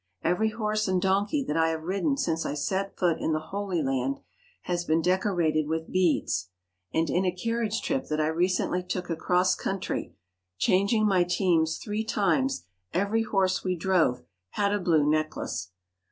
Every horse and donkey that I have ridden since I set foot in the Holy Land has been decorated with beads, and in a carriage trip that I recently took across country, changing my teams three times, every horse we drove had a blue necklace.